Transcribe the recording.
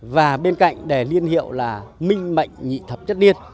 và bên cạnh đè liên hiệu là minh mạnh nhị thập chất điên